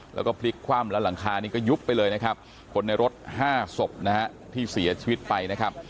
แล้วก็พลิกความและหลังคานี้ก็ยุบไปเลยคนในรถ๕ศพที่เสียชีวิตไป